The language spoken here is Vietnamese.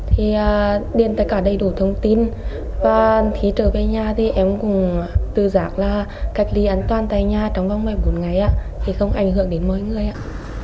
rồi điền tất cả đầy đủ thông tin và khi trở về nhà thì em cũng tư giác là cách đi an toàn tại nhà trong vòng một mươi bốn ngày ạ thì không ảnh hưởng đến mỗi người ạ